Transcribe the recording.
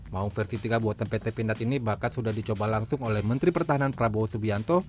maung versi tiga buatan pt pindad ini bahkan sudah dicoba langsung oleh menteri pertahanan prabowo subianto